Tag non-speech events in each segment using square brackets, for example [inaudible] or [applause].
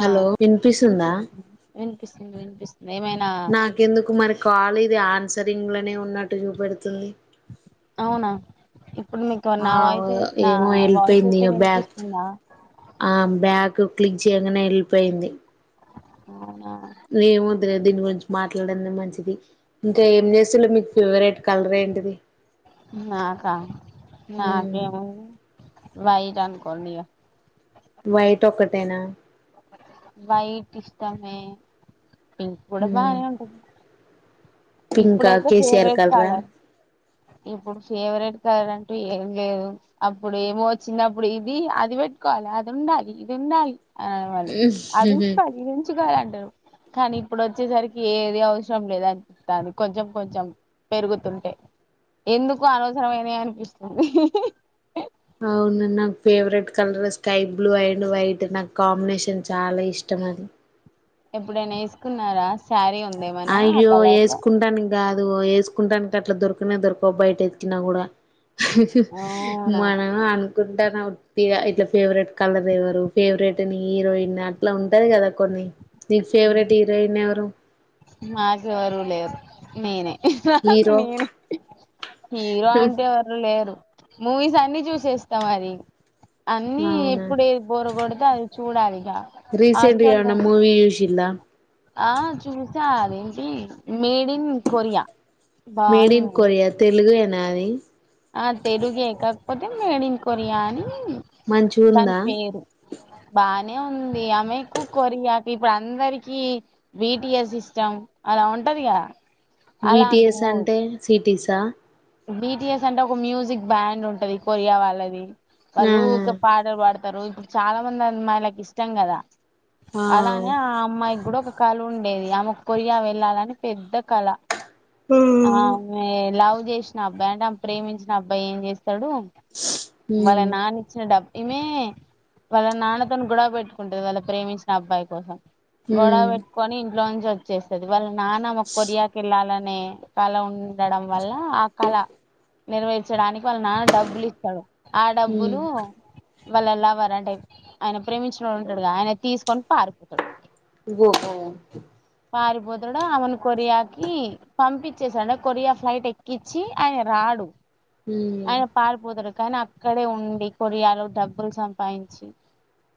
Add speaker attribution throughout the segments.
Speaker 1: ఆ
Speaker 2: హలో వినిపిస్తుందా
Speaker 1: వినిపిస్ విన్పిస్
Speaker 2: నాకెందుకు మరి కాలీ ఇది ఆన్సరింగ్ లనే ఉన్నట్టు చూపెడుతుంది
Speaker 1: అవునా ఇప్పుడు మీకు
Speaker 2: ఆ
Speaker 1: నా వాయిస్ నా
Speaker 2: ఏమో
Speaker 1: వాయిస్
Speaker 2: వెళ్ళిపోయింది
Speaker 1: అయితే
Speaker 2: ఇక బ్యాక్
Speaker 1: వినిపిస్తుందా
Speaker 2: ఆ బ్యాక్ క్లిక్ చేయగానే వెళ్ళిపోయింది
Speaker 1: అ
Speaker 2: నేమో తెలిదు దీని గురించి మాట్లాడ మంచిది ఇంకా ఏం చేస్తులో మీకు ఫేవరెట్ కలర్ ఏంటిది
Speaker 1: నాకా
Speaker 2: మ్మ్
Speaker 1: నాకే వైట కొనీయా
Speaker 2: వైట్ ఒక్కటేనా
Speaker 1: వైట్ ఇష్టమే ఇంక కూడా కూడా
Speaker 2: మ్మ్
Speaker 1: బాగా ఉంటది
Speaker 2: పింకా
Speaker 1: ఇప్పుడైతే
Speaker 2: కేసీఆర్
Speaker 1: ఫేవరెట్
Speaker 2: కలరా
Speaker 1: కాలర్ ఇప్పుడు ఫేవరెట్ సర అంటూ ఏం లేదు అప్పుడు ఏమో వచ్చినప్పుడు ఇది అది పెట్టుకోవాలి అది ఉండాలి ఇది ఉండాలి ఆ అదించి పరి ముచ్చుగాలు అంటారు కానీ ఇప్పుడు వచ్చేసరికి ఏది అవసరం లేదంత అది కొంచెం కొంచెం పెరుగుతుంటే ఎందుకు అనవసరమైనా అనిపిస్తుంది
Speaker 2: అవున నాకు favourite colour sky blue and white నాకు కాంబినేషన్ చాలా ఇష్టం అది
Speaker 1: ఎప్పుడైనా వేసుకున్నారా శారీ ఉందేమనా ఆ
Speaker 2: అయ్యో
Speaker 1: కలర్ లో
Speaker 2: వేసుకుంటాను కాదు వేసుకుంటడానికి అట్లా దొరికనే దొరకవు బయట ఎతుకినా కూడా
Speaker 1: అవునా
Speaker 2: మన అ గుంటాన ఉట్టిగా ఇట్లా ఫేవరెట్ కలర్ ఎవ్వరు ఫేవరెట్ హీరోయిన్ అట్లా ఉంటది కదా కొన్ని నీ ఫేవరెట్ హీరోయిన్ ఎవరు
Speaker 1: నాకు ఎవరు లేరు నేనే నాకు
Speaker 2: హీరో
Speaker 1: నేనే హీరో అంటే ఎవరు లేరు మూవీస్ అన్ని చూసేస్తాం మరి అన్నీ ఇప్పుడు ఏ బోరగొడతే అది చూడాలి ఇక
Speaker 2: రీసెంట్ గా
Speaker 1: హాస్టల్లో
Speaker 2: ఏమన్నా మూవి చూసిండా
Speaker 1: ఆ చూసా ఆది ఏంటి మేడ్ ఇన్ కొరియా
Speaker 2: మేడ్
Speaker 1: బాగుంది
Speaker 2: ఇన్
Speaker 1: మూవీ
Speaker 2: కొరియా తెలుగు ఎ నాది
Speaker 1: ఆ తెలుగు ఏ కాకపోతే మేడిన్ కొరియా అని దాని
Speaker 2: మంచిగుందా
Speaker 1: పేరు బానే ఉంది ఆమెకు కొరియాకి ఇప్పుడు అందరికీ బి టి ఎస్ ఇష్టం అలా ఉంటదిగా
Speaker 2: బి టి ఎస్ అంటే సిటీస్ తా
Speaker 1: బి టి ఎస్ అంటే ఒక మ్యూజిక్ బ్యాండ్ ఉంటది కొరియా వాళ్ళది
Speaker 2: ఆ
Speaker 1: వాళ్ళు ఊకె పాటలు పాడతారు చాలా మంది అమ్మాయిలకి ఇష్టం కదా
Speaker 2: ఆ
Speaker 1: అలానే ఆ అమ్మాయిక్ గుడా కలుండేది ఆమె కొరియా వెళ్ళాలని పెద్ద కళ ఆమె లవ్ జెష్ట్ నా [unintelligible] ప్రేమించిన అబ్బాయి ఏం జెత్ తడు వల్ల
Speaker 2: ఉమ్
Speaker 1: నాన ఇచ్చిన డబ్ ఈమె వల్ల నాన్న తోను గొడువ పెట్టుకుంటది వల్ల ప్రేమించిన అబ్బాయి కోసం గొడవ
Speaker 2: ఉమ్
Speaker 1: పెట్టుకొని ఇంట్లో నుంచి వచ్చేస్తాది నాన్న ఒక్ కొరియా కి వెళ్ళాలని నే వాళ్ల ఉండడం వల్ల కళ నెరవేర్చడానికి వల్ల నాన్న డబ్బులు ఇస్తాడు ఆ
Speaker 2: ఉమ్
Speaker 1: డబ్బులు వాళ్ళ లవర్ అంటే ఐపో ఆయన ప్రేమించినోడు ఉంటాడు గా ఆయన తీసుకొని పారిపోతాడు
Speaker 2: ఓహో ఒక్కే
Speaker 1: పారిపోతడు ఆమెను కొరియాకి పంపించేశాడా కొరియా ఫ్లైట్ ఎక్కి వచ్చి ఆయన రాడు
Speaker 2: ఉమ్
Speaker 1: అయన పారిపోతాడు కానీ అక్కడే ఉండి కొరియాలో డబ్బులు సంపాదించి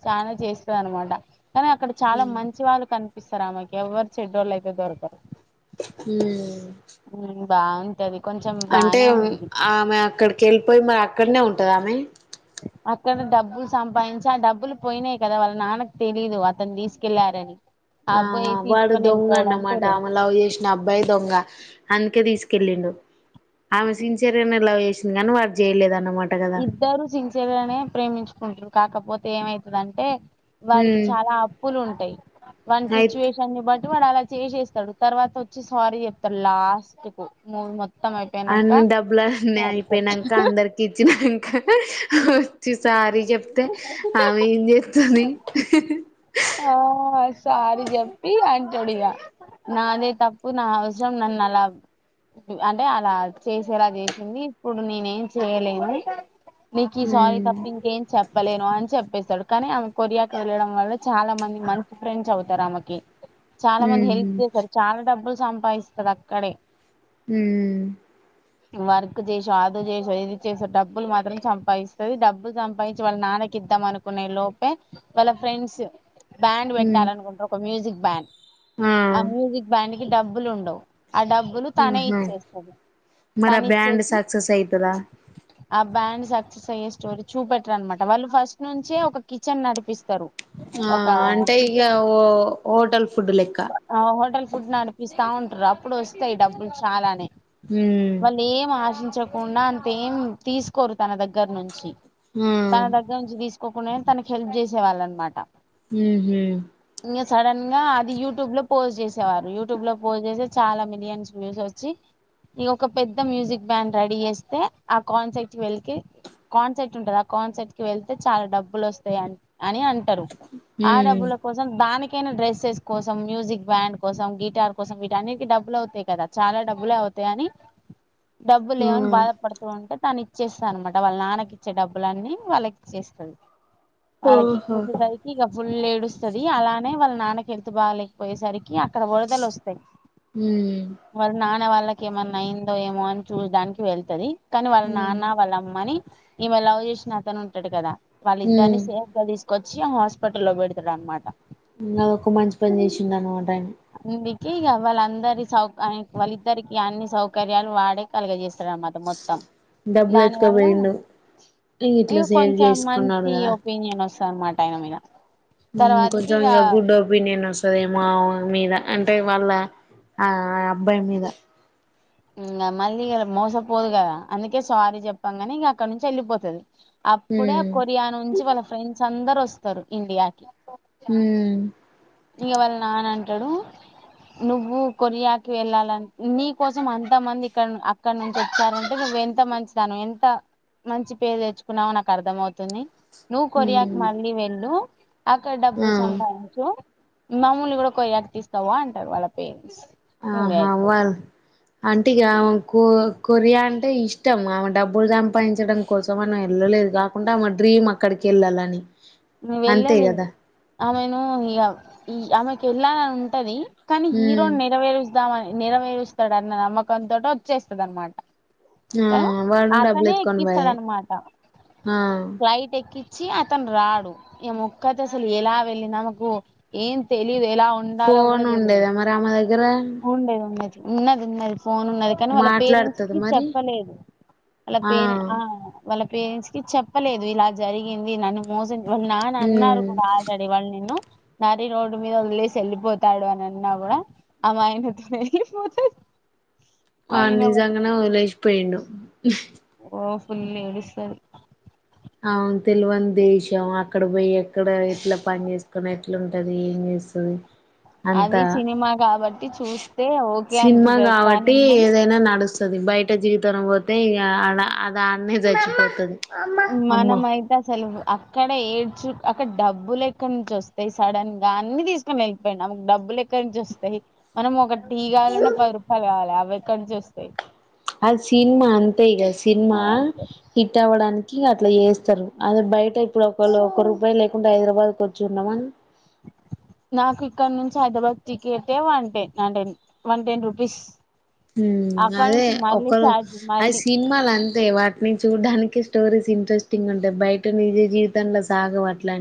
Speaker 1: చాలా చేస్తది అన్న మాట కానీ అక్కడ చాలా మంచి వాళ్ళు కని పిస్తారూ ఆమెకి ఎవ్వరు చెడ్డోళ్ళు అయితే దొరకారు
Speaker 2: ఉమ్
Speaker 1: బాగుంటది కొంచెం
Speaker 2: అంటే
Speaker 1: బానే
Speaker 2: ఉమ్
Speaker 1: ఉంది
Speaker 2: ఆమె అక్కడికి వెళ్ళిపోయి మరి అక్కడనే ఉన్ టదామే
Speaker 1: అక్కడ డబ్బులు సంపాదించి ఆ డబ్బులు పోయినాయి కదా వాళ్ళ నాన్నకు తెలీదు అతను తీసుకెళ్ళారని
Speaker 2: ఆహా వాడు దొంగ అన్నమాట
Speaker 1: తెలీదు
Speaker 2: ఆమె లవ్ చేసిన అబ్బాయి దొంగ అందుకే తీసుకెళ్ళిండు ఆమె సిన్సియర్ గానే లవ్ చేసింది నన్ను వాడ్ జేయలేదన్
Speaker 1: ఇద్దరు సించర గానే ప్రేమించుకుంటా కాకపోతే ఏమైతదంటే వాడికి
Speaker 2: ఉమ్
Speaker 1: చాలా అప్పులు ఉంటాయి వాన్
Speaker 2: అయిత్
Speaker 1: సిచ్యువేషన్ ని బ వాడు అలా చేసేస్తాడు తర్వాత వచ్చి సారీ చెప్తాడు లాస్ట్ కు మూవి మొత్
Speaker 2: అన్ని డబ్బులన్నీ అయిపోయినాక
Speaker 1: చెప్
Speaker 2: అందరికి ఇచ్చినా తిసారి చెప్తే ఆమె ఏం చేత్తుంది
Speaker 1: చారి చెప్పి అంటోడిగా నాదే తప్పు నా అవసరం నన్ను అలా అంటే అలా చేసేలా చేసింది ఇప్పుడు నేనేం చేయలేను నీకి సారి
Speaker 2: ఉమ్
Speaker 1: తప్ప ఇంకేం చెప్పలేను అని చెప్పేసి [unintelligible] ఆమె కొరియాకి వెళ్ళడం వల్ల చాలా మంది మంచి ఫ్రెండ్స్ అవుతారు ఆమెకి చాలా మంది హెల్ప్
Speaker 2: ఉమ్
Speaker 1: చేశారు చాలా డబ్బులు సంపాదిస్తది అక్కడే
Speaker 2: మ్మ్
Speaker 1: వర్క్ చేసా అదో చేసో ఇది చేసో డబ్బులు మాత్రం చంపాదిస్తది డబ్ బ్ సంపాయించి వాళ్ళ నాన్నకిద్దాం అనుకునే లోపే వాళ్ళ ఫ్రెండ్స్ బ్యాండ్
Speaker 2: ఉమ్
Speaker 1: పెట్టాలనుకొంట్రు ఒక మ్యూజిక్ బ్యాం ఆ మ్యూజక్ బ్యాం డబ్బులు ఉండవు ఆ డబ్బులు తానే
Speaker 2: ఆహా
Speaker 1: ఇచ్చేస్తది
Speaker 2: మరి ఆ
Speaker 1: తను
Speaker 2: బ్యాండ్
Speaker 1: ఇచ్చేసి
Speaker 2: సక్సెస్ అయితదా
Speaker 1: ఆ బ్యాండ్స్ [unintelligible] స్టోరీ చూపెట్ట అనమాట వాళ్ళు ఫస్ట్ నుంచి ఒక కిచెన్ నడిపిస్త
Speaker 2: ఆ అంటే ఇక ఓ హోటల్ ఫుడ్ లెక్క
Speaker 1: హోటల్ ఫుడ్ నడిపిస్తా అప్పుడు వస్తాయి డబ్బులు చాలానే
Speaker 2: ఉమ్
Speaker 1: వాళ్ళు ఏం ఆశించ పచ్చకుండా అంతేం తీసుకోరు తన దగ్గర నుంచి
Speaker 2: ఉహు
Speaker 1: త అగగా ఉంచిదిసు ఒక్కే తనకి హెల్ప్ చేసే వాళ్ళ అనమాట
Speaker 2: హ హ
Speaker 1: ఇంకా సడన్ గా అది యూట్యూబ్ లో పోస్ట్ చేసేవారు యూట్యూబ్ లో పోస్ట్ చేస్తే చాలా మిలియన్స్ వ్యూస్ వచ్చి ఇక ఒక పెద్ద మ్యూజిక్ బ్యాండ్ రెడీ చేస్తే ఆ కాన్సెప్ట్ వెళకి కాన్సెప్ట్ టురు ఆ కాన్సెట్ కి వెళ్తే చాలా డబ్బులు వస్తాయి అ అని అ ఆ
Speaker 2: ఉమ్
Speaker 1: డబ్బుల కోసం దానికి ఎనా డ్రెస్సెస్ కోసం మ్యూజిక్ బ్యాండ్ కోసం గిటార్ కోసం వట అన్ని డబ్బులు అవుతాయి కదా చాలా డబ్బులే అవుతాయి అని డబ్బు లే ఏమని బాధపడుతూ ఉంటే తను చేస్తా అనన్నమాట వాళ్ళ నాన్నకి వచ్చే డబ్బులన్నీ వాళ్ళకిచ్చస్తుంది అల
Speaker 2: ఓహో
Speaker 1: కిచ్చి సరికి ఇక ఫుల్ డుస్తుది అలానే వాళ్ళ నాన్నకి హెల్త్ బాగలేకపోయేసరి అక్కడ వరదలు వస్తాయి
Speaker 2: ఉమ్
Speaker 1: వాళ నాన్న వాళ్ ఏమన్నా అయిందో ఏమో అని చూడానికి వెళ్తది కానీ వాళ్ళ
Speaker 2: ఉమ్
Speaker 1: నాన్న వాళ్ళ అమ్మని ఈమె లవ్ చేసిన అతను ఉంటాడు కదా వాళ్లిద్దర్ని
Speaker 2: ఉమ్
Speaker 1: సేఫ్ గ దీస్ కొచ్చి హాస్పిటల్లో పెడతా అనమాట
Speaker 2: ఇంగ అదొక మంచి పని చేసిండ అనమాట టైం
Speaker 1: ఇగా వాళ్ళ అందరి సౌక అ వాళ్ళిద్దరికి అన్ని సౌకర్యాలు వాడే కలగ చేేస్ తడనా మొత్తం
Speaker 2: డబ్బులు
Speaker 1: దాని వల్ల
Speaker 2: ఎత్తుకపోయిండు ఇట్లా సేవ్
Speaker 1: కొంచెం ఇగ
Speaker 2: చేసుకున్నాడు
Speaker 1: మంచి ఒపీనియన్ వస్ టమాటాయన మీద
Speaker 2: ఊ
Speaker 1: తర్వాతకి
Speaker 2: కొంచెం ఇగ
Speaker 1: ఇక
Speaker 2: గుడ్ ఒపీనియన్ వస్తదేమో ఆమ మీద అంటే వాళ్ళ ఆ అబ్బాయి మీద
Speaker 1: ఇ మళ్ళీ మోసపోదు కదా అందుకే సారీ చెప్పంగనే ఇంగ అక్కడ నుంచి వెళ్లిపోతది అప్పుడే
Speaker 2: ఉమ్
Speaker 1: కొరియా నుంచి వాళ్ళ ఫ్రెండ్స్ అందరు వస్తారు ఇండియాకి
Speaker 2: ఊ
Speaker 1: ఇక వాళ్ళ నాన అంటాడు నువ్వు కొరియాకి వెళ్ళాలని నీ కోసం అంత మంది ఇక్కడ అక్కడ నుంచి వచ్చారంటే నువ్వు ఎంత మంచి దానివి ఎంత మంచి పేరు తెచ్చుకున్నావో నాకు అర్థం అవుతుంది నువ్ కొరియాకి
Speaker 2: ఉమ్
Speaker 1: మళ్లీ వెళ్లు అక్కడ డబ్బులు
Speaker 2: ఆ
Speaker 1: సంపాదించు మామూలు కూడా ఒక [unintelligible] అంటారు వాళ్ళ పేరెంట్స్ ఇంగ
Speaker 2: ఆహా
Speaker 1: అయిపో
Speaker 2: వాల్ అంటే ఇగ కొ ఆ కొరియా అంటే ఇష్టం ఆమె డబ్బులు సంపాదించడం కోసం మనం వెళ్ళలేదు కాకుండా ఆమె డ్రీమ్ అక్కడికి వెళ్ళాలని
Speaker 1: నువ్
Speaker 2: అంతే
Speaker 1: వెళ్ళాలి
Speaker 2: కదా
Speaker 1: ఆమెను ఇగ ఈ ఆమెకి వెళ్ళాలని ఉంటది కానీ
Speaker 2: ఉమ్
Speaker 1: హీరో నెరవేరు వద్దామని నెరవేరుస్తాడన్న నమ్మకంతోట వచ్చేస్తదనమాట
Speaker 2: ఆ వాడు డబ్బులు ఎతుకని బాయే
Speaker 1: అనమాట
Speaker 2: ఆ
Speaker 1: చి అతను రాడు ఏ ముక్కత్ అసలు ఎలా వెళ్ళ నమకు ఏన్ తెలిదు
Speaker 2: ఫోన్ ఉండేదా మరి ఆమ దగ్గర
Speaker 1: ఉండేది ఉన్నది ఉన్నది ఉన్నది ఫోన్ ఉన్నది కానీ వాళ్ళ పేరెంట్స్
Speaker 2: మాట్లాడుతదా
Speaker 1: కి
Speaker 2: మరి
Speaker 1: చెప్పలేదు వాళ్ళ పేర ఆ వాళ్ళ పేరెంట్స్ కి చెప్పలేదు ఇలా జరిగింది నన్ను మోసం వాళ్ నాన్న
Speaker 2: ఉమ్
Speaker 1: అన్నారు కూడా ఆల్డ్రేడి వాళ్ళు నిను నరి రోడ్డు మీద వదిలేసి వెళ్ళిపోతాడు అని అన్నా కూడా ఆమే ఆయనతో వెళ్ళిపోతాది
Speaker 2: ఆ నిజంగనే ఒదిలేసి పోయిడు [unintelligible]
Speaker 1: ఓ ఫుల్ ఏడుస్తాది
Speaker 2: అవును తేల్వని దేశం అక్కడ పోయి ఎక్కడ ఇట్లా పని చేసుకునీ ఏట్లుటది ఏం చేస్తది
Speaker 1: అది
Speaker 2: అంతా
Speaker 1: సినిమా కాబట్టి చూస్తే ఓకే అంటుంది కాని మానం
Speaker 2: ది బయట జీవితరం పోతే ఇగా అడా ఆ అ అడ్నే చచ్చిపోతది అమ్మ
Speaker 1: మానమైతే అసలు అక్కడ ఏడ్చు అక్కడ డబ్బులు ఎక్కడి నుంచి వస్తాయి సడన్ గా అన్ని తీసుకొని వెళ్ళిపోయిడు అమే కి డబ్బులు ఎక్కడి నుంచి వస్తాయి మనం ఒక టీ గావల్లన పది రూపాయలు కావాల ఎకడి నుంచి యిస్తే
Speaker 2: అ సినిమా అంత ఇగ సినిమా
Speaker 1: అదంతే
Speaker 2: హిట్ అవడాకి అట్లా చేస్తారు అది బయట ఇప్పుడు ఒకవేళ ఒక రూపాయి లేకుండా హైదరాబాద్కు వచ్చి ఉండమను
Speaker 1: నాకు ఇక్కడ నుంచి హైదరాబాద్ టికెటే one ten ten one ten rupees
Speaker 2: హమ్
Speaker 1: అక్కడ
Speaker 2: అదే
Speaker 1: నుంచి మళ్ళీ
Speaker 2: ఒకరు
Speaker 1: ఛార్జ్
Speaker 2: అది
Speaker 1: మళ్ళీ
Speaker 2: సినిమాలు అంతే వాటిని చూడ్డానికి స్టోరీస్ ఇంట్రెస్టింగ్ ఉంటాయి బయట నిజ జీవితంలో సాగవు అట్ల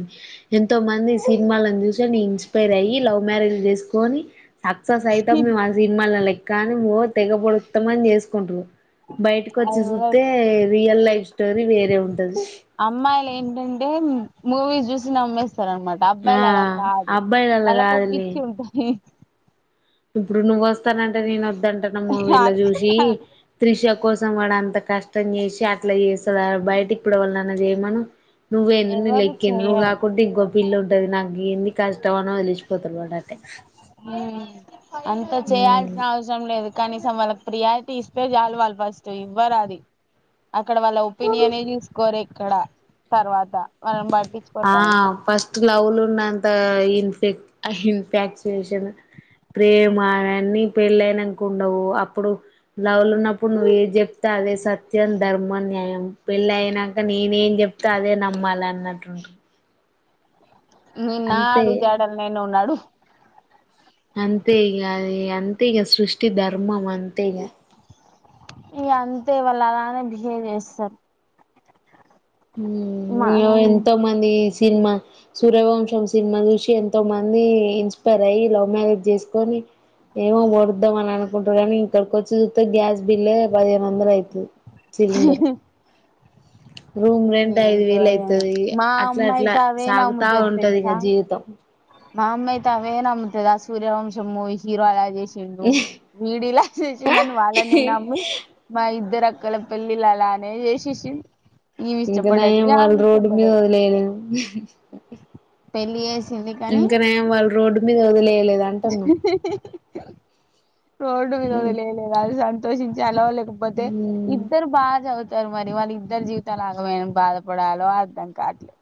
Speaker 2: ఎంతో మంది సినిమాలను చూసిని ఇన్స్పైర్ అయ్యి లవ్ మ్యారేజ్లు చేసుకొని సక్సెస్ అయితం మేము ఆ సినిమాల లైక్ ఓ తెగ పాడుతాం అని చేసుకుంట్రు బయటికి వచ్చి సూస్తే
Speaker 1: ఎవరు
Speaker 2: రియల్ లైఫ్ స్టోరీ వేరే ఉంటది
Speaker 1: అమ్మాయిలు ఏంటంటే మూవీ చూసి నమ్మేస్త అనమాట
Speaker 2: ఆ
Speaker 1: అబ్బాయిలు అలా కాదు
Speaker 2: అబ్బాయిలల్ల
Speaker 1: అలాకు
Speaker 2: కాదులే
Speaker 1: ప్పిచి ఉంటాది
Speaker 2: ఇప్పుడు నువ్వు వస్తానంటే నేను దంటన మూవీలో చూసి త్రిష కోసం సం వాడు అంత కష్టం చేసి అట్లా చేస్తారు బయట ఇప్పుడ ఒళ్ళుయిన చేయమను నువ్వేంది నీ
Speaker 1: ఎవరు
Speaker 2: లెక్కింది నువ్వు
Speaker 1: చేయరు
Speaker 2: కాకుంటే ఇంకో పిల్లు ఉంటది నాకు ఈయన్ని కష్టం అనీ ఒడిలేసిపో [unintelligible]
Speaker 1: హమ్ అంత
Speaker 2: ఉమ్
Speaker 1: చేయాల్సిన అవసరం లేదు కనీసం వాళ్ళకి ప్రియారీటీ ఇస్తే చాలు వాళ్ళు ఫస్ట్ ఇవ్వరాది అక్కడ వాళ్ళ ఒపీనియనే చూసుకోర ఇక్కడ తర్వాత మనం బట్
Speaker 2: ఆ ఫస్ట్ లవులు ఉన్నంత ఇన్ఫ ఇన్ఫాక్చుయేషన్ ప్రేమ అవన్నీ పెళ్లి అయినాక ఉండవు అప్పుడు లవ్ ల ఉన్నప్పుడు నువ్ ఏది చెప్తా అదే సత్యం ధర్మం న్యాయం పెళ్ళి అయినాక నేనే ఏం చెప్తా అదే నమ్మాలి అన్నట్టుంటుంది
Speaker 1: ని నా
Speaker 2: అంతే
Speaker 1: అడుగు జాడల్ నువ్ నడువు
Speaker 2: అంతే ఇగ అది అంతేగా సృష్టి ధర్మం అంతేగా
Speaker 1: ఇగ అంతే వాళ్ళు అలానే బిహేవ్ చేస్తారు
Speaker 2: ఉ ఇయో
Speaker 1: మనం
Speaker 2: ఎంతో మందిస్ సినిమా సూర్యవంశం సినిమా చూసి ఎంతో మంది ఇన్స్పైర్ అయి లవ్ మ్యారేజ్ చేసుకొని ఏమో వోడుద్దాం అని అనుకుంటారు కాని ఇక్కడికి వచ్చి చూతే గ్యాస్ బిల్లే పదిహేను వందలు అయి ఉ సిలిండర్ రూమ్ రెంట్ ఐదు
Speaker 1: ఏంటో
Speaker 2: వేలు
Speaker 1: ఏమో
Speaker 2: అయితది
Speaker 1: మా
Speaker 2: అట్లా
Speaker 1: అమ్మ
Speaker 2: అట్లా
Speaker 1: అయితే అవే
Speaker 2: సాగుతా
Speaker 1: నమ్ముతది
Speaker 2: ఉంటది ఇగ
Speaker 1: తెలుసా
Speaker 2: జీవితం
Speaker 1: మా అమ్మ అయితే అవే నమ్ముతది ఆ సూర్యవంశం మూవి హీరో అలా చేసి సిండు వీడిలా చేసిండు వాళ్ళ ని నమ్మి మా ఇద్దరు అక్ గలపెళ్లిలాలనే జేశేషిమ్
Speaker 2: ఇంక నయం వాళ్ళు రోడ్డు మీద వదిలివేయలేదు
Speaker 1: పెళ్లి ఏసి
Speaker 2: ఇంకా నయం వాళ్ళు రోడ్డు మీద వదిలేయలే
Speaker 1: రోడ్డు మీద వదిలిలేదు అది సంతోషించలో లేకపోతే ఇద్దరు బాజ అవుతారు మరి వాళ్ళ ఇద్దరి జీవితాలు ఆగం అయ్యినం అని బాధపడాలో అర్థం కాట్లే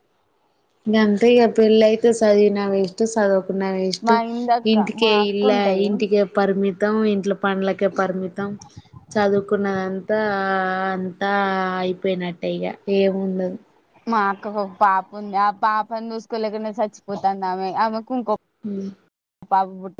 Speaker 2: గంతే ఇగ పెళ్లి అయితే సదివిన వెస్ట్ సదువుక్ ఉన్నా వెస్ట్
Speaker 1: మా ఇందక్క మా
Speaker 2: ఇంటికే
Speaker 1: అక్క
Speaker 2: ఇల్లా
Speaker 1: ఉంటది
Speaker 2: ఇంటికే పరిమిత్ మొత్తం ఇంట్లో పండ్లకే పరిమితం చదువుకున్నదంతా అంతా అయిపోయినట్టే ఇగ ఏముండదు
Speaker 1: మా అక్కకు ఒక పాప ఉంది ఆ పాపని చూసుకోలేకనే చచ్చిపోతంది ఆమె ఆమెకు ఇంకొ
Speaker 2: ఉ
Speaker 1: బాబు బుట్టు